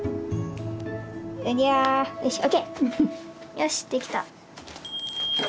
よしできた。